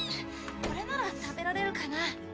これなら食べられるかな？